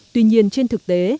tuy nhiên trên thực tế